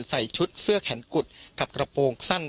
ใส่ชุดเสื้อแขนกุดกับกระโปรงสั้น